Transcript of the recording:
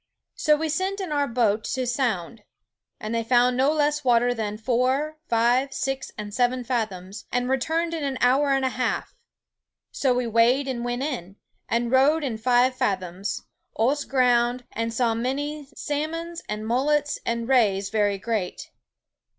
So we sent in our boat to sound, and they found no less water than foure, five, six, and seven fathoms, and returned in an hour and a halfe. So we weighed and went in, and rode in five fathoms, ose ground, and saw many salmons, and mullets, and rayes very great.